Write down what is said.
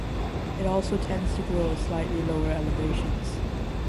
It also tends to grow at slightly lower elevations.